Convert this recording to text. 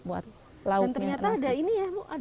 dan ternyata ada ini ya bu